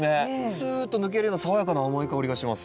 スーッと抜けるような爽やかな甘い香りがします。